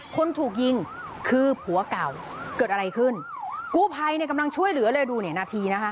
คนถูกยิงคือผัวเก่าเกิดอะไรขึ้นกู้ภัยเนี่ยกำลังช่วยเหลือเลยดูเนี่ยนาทีนะคะ